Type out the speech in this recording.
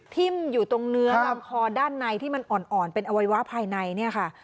ทิ้มอยู่ตรงเนื้อลำคอด้านในที่มันอ่อนเป็นอวัยวะภายในเนี่ยค่ะ